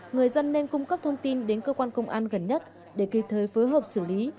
người dân nên cung cấp thông tin đến cơ quan công an gần nhất để kịp thời phối hợp xử lý